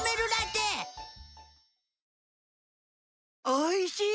おいしい！